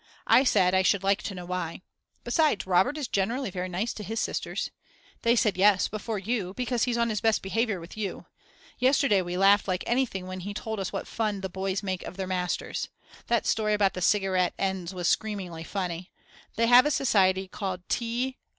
I said, I should like to know why. Besides, Robert is generally very nice to his sisters. They said, Yes before you, because he's on his best behaviour with you. Yesterday we laughed like anything when he told us what fun the boys make of their masters. That story about the cigarette ends was screamingly funny. They have a society called T.